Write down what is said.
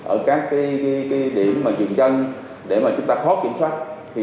ở các cái điểm mà diện chân để mà chúng ta khóc kiểm soát